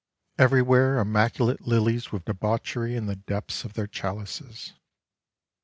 Everywhere immaculate, lilies with debauchery in the debts of their chalices!